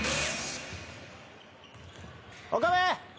岡部！